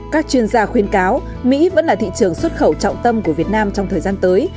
các chuyên gia khuyên cáo mỹ vẫn là thị trường xuất khẩu trọng tâm của việt nam trong thời gian tới